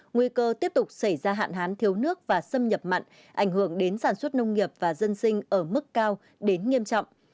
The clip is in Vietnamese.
nguy cơ tiếp tục xảy ra hạn hán thiếu nước và xâm nhập mặn ảnh hưởng đến sản xuất nông nghiệp và dân sinh ở mức cao đến nghiêm trọng